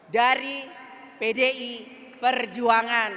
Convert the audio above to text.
dari pdi perjuangan